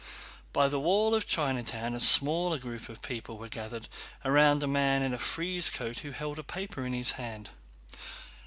By the wall of China Town a smaller group of people were gathered round a man in a frieze coat who held a paper in his hand.